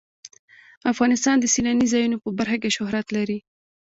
افغانستان د سیلاني ځایونو په برخه کې شهرت لري.